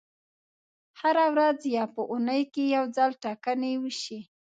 هره ورځ یا په اونۍ کې یو ځل ټاکنې وشي.